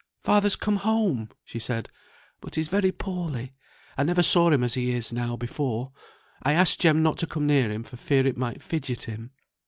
"Father's come home!" she said, "but he's very poorly; I never saw him as he is now, before. I asked Jem not to come near him for fear it might fidget him."